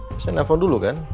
biasanya nelfon dulu kan